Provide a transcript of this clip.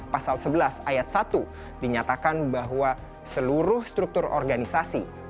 pasal sebelas ayat satu dinyatakan bahwa seluruh struktur organisasi